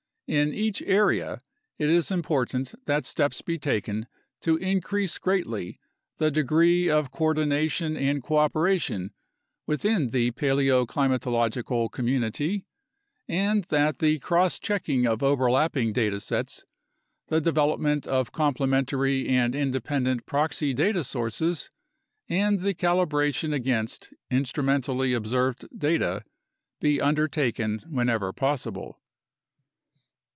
In each area it is im portant that steps be taken to increase greatly the degree of coordina tion and cooperation within the paleoclimatological community, and that the cross checking of overlapping data sets, the development of complementary and independent proxy data sources, and the calibration against instrumentally observed data be undertaken whenever possible.